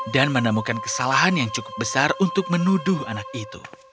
dan menemukan kesalahan yang cukup besar untuk menuduh anak itu